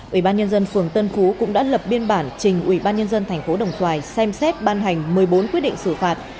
ubnd tp đồng xoài cũng đã lập biên bản trình ubnd tp đồng xoài xem xét ban hành một mươi bốn quyết định xử phạt